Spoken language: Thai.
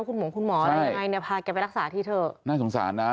คุณหมงคุณหมออะไรยังไงเนี่ยพาแกไปรักษาที่เถอะน่าสงสารนะ